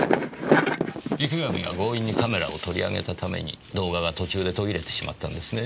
池上が強引にカメラを取り上げたために動画が途中で途切れてしまったんですねぇ。